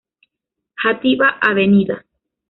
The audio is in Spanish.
Játiva, Av.